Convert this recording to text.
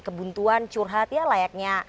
kebuntuan curhat ya layaknya